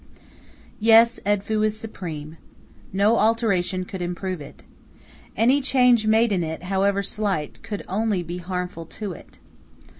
Yes, Edfu is supreme. No alteration could improve it. Any change made in it, however slight, could only be harmful to it.